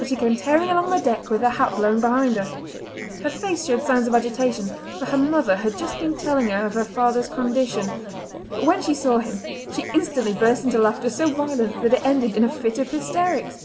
and she came tearing along the deck with her hat blowing behind her. Her face showed signs of agitation, for her mother had just been telling her of her father's condition; but when she saw him she instantly burst into laughter so violent that it ended in a fit of hysterics.